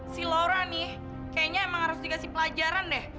si laura nih kayaknya emang harus dikasih pelajaran deh